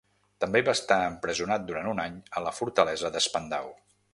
També va estar empresonat durant un any a la fortalesa de Spandau.